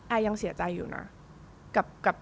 ยังเสียใจอยู่นะ